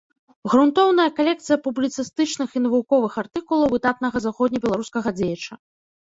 Грунтоўная калекцыя публіцыстычных і навуковых артыкулаў выдатнага заходнебеларускага дзеяча.